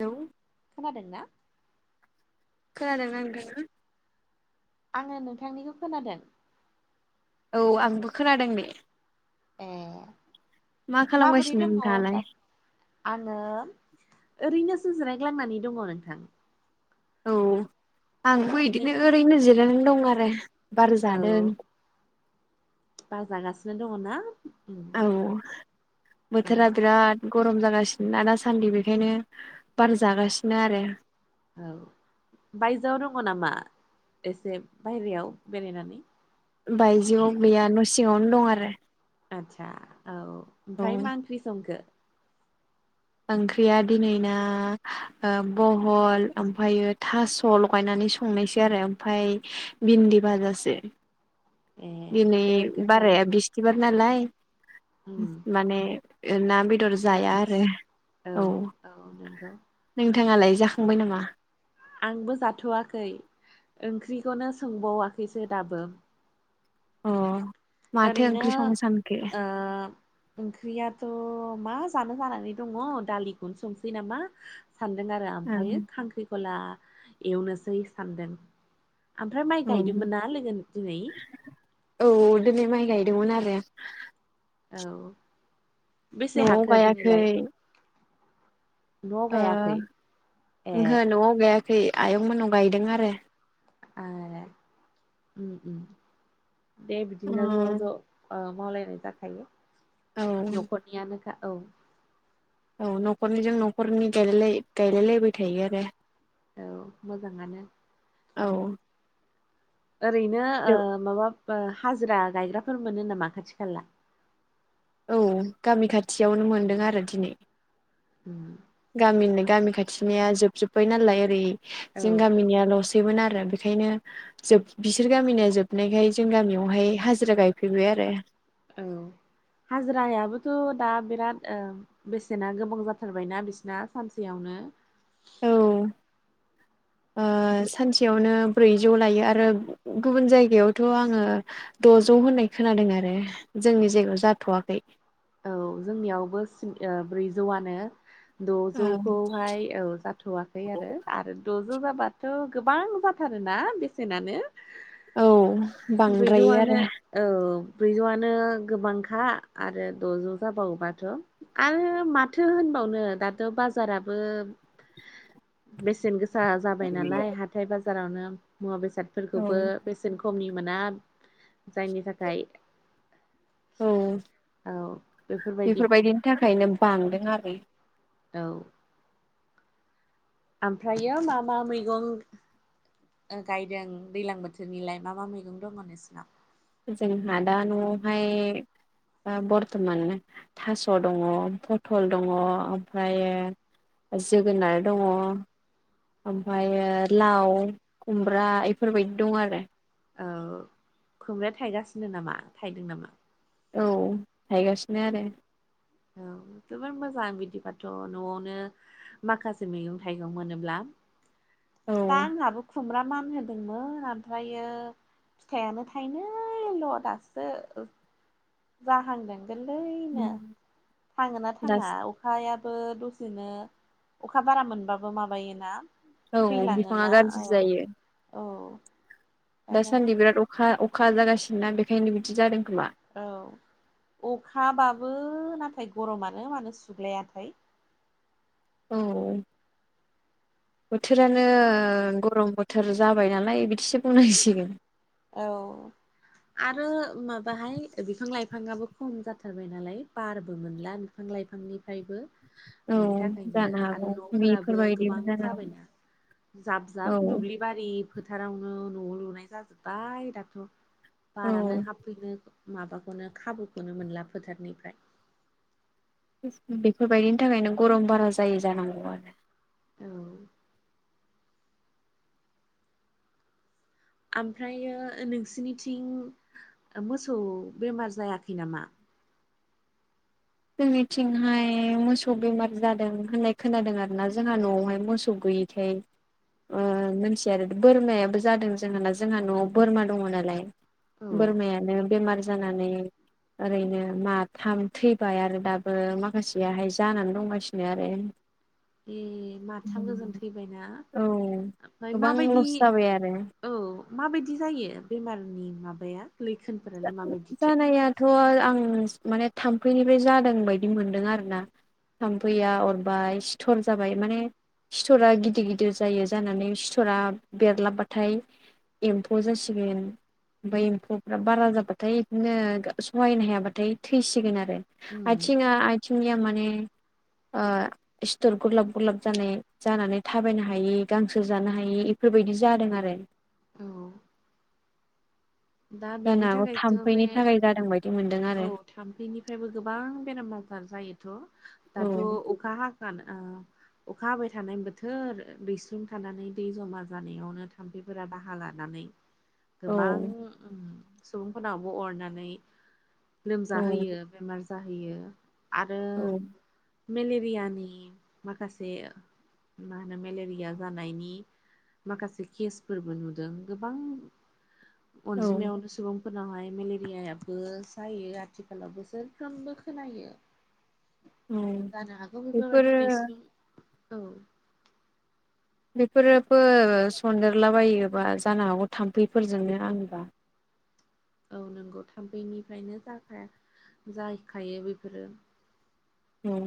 Hello खोनादों ना खोनादोंना नोंथाङा आङो नोंथांनिखौ खोनादों औ आंबो खोनादों नै ए मा माबोरै खालामगासिनो दङ नोंथाङालाय? दा आङो ओरैनोसो जिरायग्लांनानै दङ नोंथां औ आंबो नों बिदिनो ओरैनो जिरायनानै दं आरो बार औ जादों बार जागासिनो दङ ना उम औ औ बोथोरा बिराद गरम जागासिनोना दासान्दि बेखायनो बार जागासिनो आरो औ बायजोआव दङ नामा एसे बायेरायाव बेरायनानै बायजोआव गैया न' सिङावनो दं आरो आदसा औ औ ओमफ्राय मा ओंख्रि संखो ओंख्रिया दिनैना ओ बहल ओमफ्रायो थास' लगायनानै सं संनायसै आरो ओमफ्राय भिन्दि बाजासो ए दिनै दे गोथाव बाराया बिस्तबार नालाय उम माने ना बेदर जाया निरामिस आरो औ नोंथाङालाय जाखांबाय नामा आंबो जाथ'वाखै ओंख्रिखौनो सोंबावाखैसो दाबो अ माथो ओरैनो ओंख्रि संनो सानखो ओ ओंख्रियाथ' मा जानो जानानै दङ दालिखौनो संसै नामा सानदों आरो ओं ओमफ्रायायो खांख्रिखला एवनोसै सानदों ओमफ्राय माइ ओं गायदोंमोन ना लोगो दिनै औ दिनै माइ गायदोंमोन आरो औ बेसे न'आव हाखो गायाखै दिनैलाय न'आव ओ गायाखै ए ओंहो न'आव गायाखै आयं मोननाव गायदों आरो आरो उम दे बिदिनो ज' ज' उम ओ मावलायनाय जाखायो औ न'खरनियानोखा औ औ न'खरनिजों न'खरनि गायलाय गायलायलायबाय थायो आरो औ मोजाङानो औ ओरैनो ओ माबा ओ हाजिरा गायग्राफोर मोनो नामा खाथि खाला औ गामि खाथियावनो मोनदों आरो दिनै उम गामिनि गामि खाथिनिया जोबजोब्बाय नालाय ओरै जों औ गामिनियाल'सै दिमोन आरो बिखायनो जोब बिसोर गामिनिया जोबनायखाय जों गामियावहाय हाजिरा गायफैबाय आरो। औ हाजिरायाबोथ' दा बिराद ओं बेसेना गोबां जाथारबायना बिसना सानसेयावनो। औ ओ सानसेयावनो ब्रैजौ लायो आरो गुबुन जायगायावथ' आङो द'जौ होननाय खोनादों आरो जोंनि जायगायाव जाथ'वाखै। औ जोंनियावबो सिन ओ ब्रैजौआनो। द'जौ खौहाय औ जाथ'वा खै आरो आरो द'जौ जाबाथ' गोबां जाथारोना बेसेनानो। औ बांद्रायो आरो ब्रैजौआनो औ ब्रैजौआनो गोबांखा आरो द'जौ जाबावोबाथ' आरो माथो होनबावनो दाथ' बाजाराबो बेसेन गोस जा जाबाय नालाय हाथाय बाजारावनो मुवा औ बेसादफोरखौबो बेसेन खमनि मोना जायनि थाखाय औ औ बेफोरबायदि बेफोरबायदिनि थाखायनो बांदों आरो। औ आमफ्रायो मा मा मैगं ओ गायदों दैलां बोथोरनिलाय मा मा मैगं दङ नोंसिनाव? जोंहा दा न'आवहाय ओ बर्थमान थास' दङ पथल दङ ओमफ्रायो ओ जोगोनार दङ ओमफायो लाव खुमब्रा इफोरबायदि दं आरो। औ खुमब्राया थायगासिनो नामा थायदों नामा? औ थायगासिनो आरो। औ जबोर मोजां बिदिबाथ' न'आवनो माखासे मैगं थाइगं मोनोब्ला औ दा आंहाबो खुमब्रा मान होन दोंमोन ओमफ्रायो फिथाइयानो थाइनैल' दासो जाहांदों गोल्लैनो थाङो ना थाङा दास अ खायाबो दसेनो अखा बारा मोनबाबो माबायोना। औ थैलाङो बिफाङा ना औ गाज्रि जायो औ। ओंखायनो दासान्दि बिराद अखा अखा जागासिनो ना बेखायनो बिदि जादों खोमा। औ अखाबाबो नाथाय गरमानो मानो सुग्लायाथाय। औ। बोथोरानो गरम बोथोर जाबाय नालाय बिदिसो बुंनांसिगोन। औ। आरो माबाहाय बिफां लाइफाङाबो खम जाथारबाय नालाय बारबो मोनला। बिफां लाइफांनिफायबो औ बिनि थाखायनो जानो हागौ आरो न'फोराबो बेफोरबायदिबो गोबां जानो हागौ जाबायना। जाब जाब औ दुब्लिबारि फोथारावनो न'आव लुनाय जाजोब्बाय दाथ'। औ बारानो हाबफैनो माबाखौनो खाबुखौनो मोनला फोथारनिफ्राय। बेफोरबायदिनि थाखायनो गरम बारा जायो जानांगौ आरो। औ। आमफ्रायो नोंसिनिथिं ओ मोसौ बेमार जायाखै नामा? जोंनिथिंहाय मोसौ बेमार जादों होननाय खोनादों आरो ना जोंहा न'आवहाय मोसौ गै [unintelligible] ओ मोनथिया आरो बोरमायाबो जादों जोंहाना। जोंहा न'आव बोरमा दङ नालाय। औ बोरमायानो बेमार जानानै ओरैनो माथाम थै फाय आरो दाबो माखासेयाहाय जानानै दंगासिनो आरो ए माथाम गोजान थैबायना औ ओमफ्राय गोबां माबायदि लस जाबाय आरो औ माबायदि जायो बेमारनि माबाया लैखोनफोरालाय माबायदिथो थ' आं माने थाम्फैनिफ्राय जादों बायदि मोनदों आरो ना थाम्फैया अरबाय सिथर जाबाय माने सिथरा गिदिर गिदिर जायो जानानै सिथरा बेरलाबबाथाय एम्फौ जासिगोन ओमफ्राय एम्फौ बारा जाबाथाय बिदिनो सहायनो हायाबाथाय थैसिगोन आरो उम आइथिङा थिंनिया माने ओ सिथर गुरलाब गुरलाब जानाय जानानै थाबायनो हायि गांसो जानो हायि बेफोरबायदि जादों आरो औ दा बेनि जानो हागौ थाखायथ' बे थाम्फैनि थाखाय जादों बायदि मोनदों औ आरो थाम्फैनिफ्रायबो गोबां बेराम आजार जायोथ' औ दाथ' अखा हागान ओ अखा हाबाय थानाय बोथोर दैस्रुम थानानै दै जमा जानायावनो थाम्फैफोरा बाहा लानानै [inaudible] गोबां सुबुंफोरनावबो अरनानै औ लोमजाहोयो बेमार जाहैयो आरो औ मेलेरियानि माखासे मा होनो मेलेरिया जानायनि माखासे केसफोरबो नुदों गोबां औ अनजिमायावनो सुबुं फोरनावहाय मेलेरियाबो जायो आथिखालावबो बोसोरफ्रोमबो खोनायो औ जानो हागौ बेफोरबायदि बेफोरो औ दैस्लुं औ बेफोरबो सदेरलाबायोबा जानो हागौ थाम्फैफोरजोंनो आंनिबा औ नंगौ थाम्फैनिफ्रायनो जाखा जाहैखायो बेफोरो उम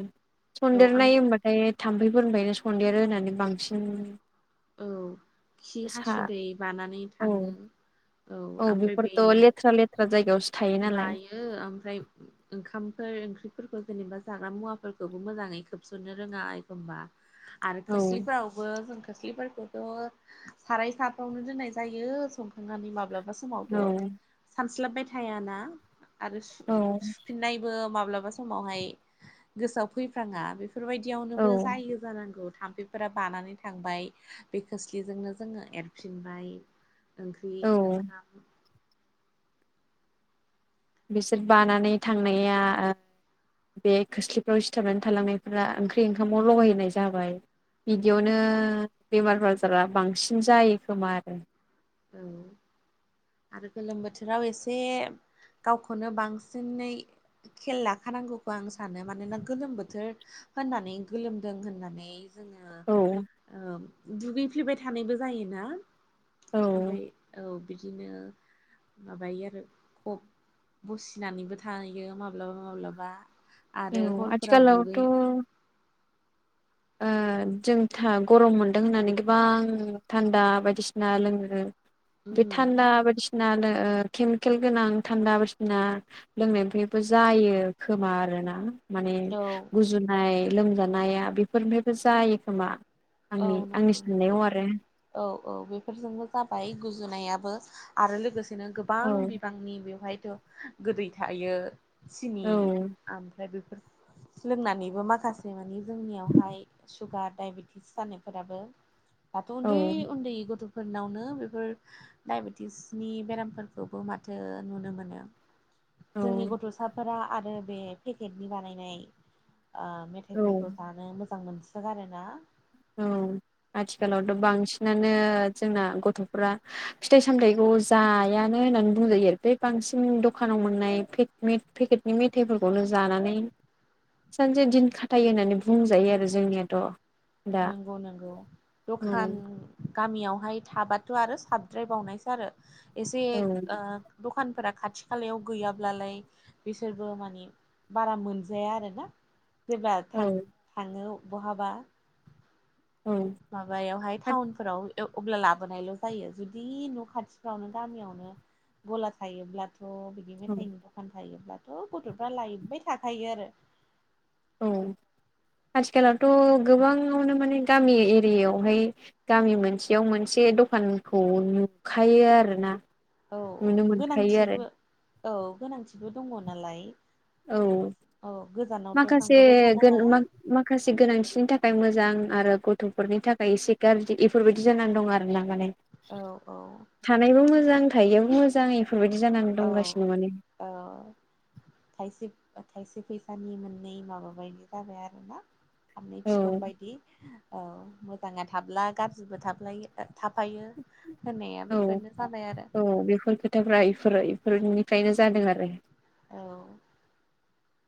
औ आम सन्देरनाय होमबाथाय थाम्फैफोरनिफ्रायनो सन्देरो होनानै बांसिन औ खि सा हासुदै बानानै औ थाङो औ ओमफ्राय बेफोरथ' बेनो लेथ्रा लेथ्रा जायगायावसो थायो नालाय ओ ओमफ्राय ओंखामफोर ओंख्रिफोरखौ जेनेबा जाग्रा मुवाफोरखौबो मोजाङै खोबसननो रोङा एखमबा [inaudible] आरो खोस्लिफोरावबो जों खस्लिफोरखौथ' साराय साफ्रावनो दोननाय जायो सखांनानै माब्लाबा समावथ' औ सानस्लाबबाय थायाना आरो औ सुफिननायबो माब्लाबा समावहाय गोसोआव फैफ्राङा बेफोरबायदियावनोबो औ जायो जानांगौ थाम्फैफोरा बानानै थांबाय बे खोस्लिजोंनो जोङो एरफिनबाय ओंख्रि औ ओंखाम बिसोर बानानै थांनाया बे खोस्लिफ्राव सिथाबनानै थालांनायफोरा ओंख्रि ओंखामाव लगायहाय जाबाय बिदियावनो बेमार आजारा बांसिन जायो खोमा आरो औ [inaudible] आरो गोलोम बोथोराव एसे गावखौनो बांसिननै खेल लाखानांगौखौ आं सानो मानोना गोलोम बोथोर होननानै गोलोमदों होननानै जोङो औ ओ दुगैफ्लेबाय थानायबो जायोना औ ओमफ्राय औ बिदिनो माबायो आरो ख बसिनानैबो थाहैयो माब्लाबा माब्लाबा आरो औ हरफोराव दुगै आथिखालावथ' ओ जों थ' गरम मोनदों होननानै गोबां थान्दा बायदिसिना लोङो बे उम थान्दा बायदिसिनानो केमिकेल गोनां थान्दा बायदिसिना लोंनायनिफ्रायबो जायो खोमा आरोना माने औ गुजुनाय लोमजानाया बेफोरनिफ्रायबो जायो खोमा औ आंनि आंनि नंगौ नंगौ साननायाव आरो औ औ बेफोरजोंबो जाबाय गुजुनायाबो आरो लोगोसेनो गो औ गोबां बिबांनि बेवहायथ' गोदै थायो सिनि औ ओमफ्राय बेफोर लोंनानैबो माखासे मानि जोंनियावहाय सुगार डायबेटि नायफोराबो दाथ' औ उन्दै उन्दै गथ'फोरनावनो बेफोर डायबेटिसनि बेरामफोरखौबो माथो नुनो मोनो जोंनि औ गथ'साफोरा आरो बे पेकेटनि बानायनाय औ मेथाइफोरखौ जानो मोजां मोनसोगारोना औ बेफोर आथिखालावथ' बांसिनानो जोंना गथ'फ्रा फिथाइ सामथाइखौ जायानो होननानै बुंजायो बे बांसिन दखानाव मोननाय पेकेटनि मेथाइफोरखौनो जानानै सानसे दिन खाथायो होननानै बुंजायो आरो जोंनियाथ' दा नंगौ नंगौ औ दखान गामियावहाय थाबाथ' आरो साबद्रायबावनायसो आरो एसे औ दखानफोरा खाथि खालायाव गैयाब्लालाय बिसोरबो माने बारा मोनजाया आरोना जेब्ला औ थाङो बहाबा औ माबायावहाय टाउनफोराव अब्ला लाबोनायल' जायो जुदि न' खाथिफ्रावनो गामियावनो गला थायोब्लाथ' बिदि मेथाइनि दखान थायोब्लाथ' गथ'फ्रा लायबाय थाखायो आरो औ आथिखालावथ' गोबाङावनो माने गामि एरियायावहाय गामि मोनसेयाव मोनसे दखानखौ नुखायो आरोना औ नुनो मोनखायो आरो गोनांथिबो औ गोनांथिबो दङ नालाय औ औ गोजानावथ' माखासे थांब्रबाय थानो हाया माखासे गोनांथिनि थाखाय मोजां आरो गथ'फोरनि थाखाय एसे गाज्रि इफोरबायदि बिदि जानानै दं आरोना माने औ औ थानायबो मोजां थायैआबो मोजां इफोरबायदि जानानै औ दंगासिनो माने औ थायसे थायसे फैसानि मोननै माबा बायदि जाबाय आरोना फारनै औ फिखं बायदि औ मोजाङा थाब्ला गाज्रिबो थाफायो होनाया बेफोरनो जाबाय आरो बेफोरजोब खथाफ्रा इफोरो इफोरनिफ्रायनो जादों आरो औ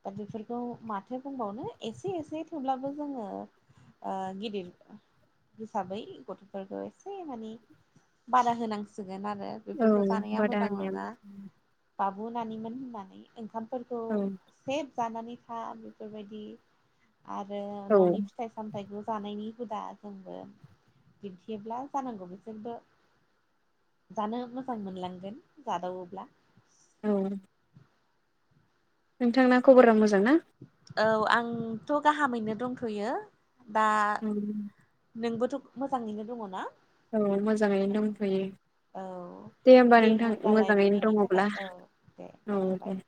दा बेफोरखौ माथो बुंबावनो एसे एसे थेवब्लाबो जोङो गिदिर हिसाबै गथ'फोरखौ एसे माने बादा होनांसिगोन आरो औ बेफोरखौ जानाया बादा मोजां होनाया नङा बाबु नानिमोन होननानै ओंखामफोरखौ औ जानानै था बेफोरबायदि आरो औ न'नि फि फिथाइ सामथाइखौ जानायनि हुदा जोंबो बिदियोब्ला जानांगौ बिसोरबो जानो मोजां मोनलांगोन जादावोब्ला औ नोंथांना खबरा मोजां ना औ आंथ' गाहामैनो दंथ'यो दा नोंबोथ' मोजाङैनो दङ ना औ मोजाङैनो दंथ'यो औ दे होमबा नोंथां होमब्लालाय मोजाङैनो दिनैनि थाखाय दङब्ला औ दे औ दोनथ'बाय दे